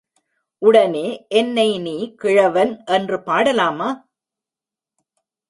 உடனே, என்னை நீ கிழவன் என்று பாடலாமா?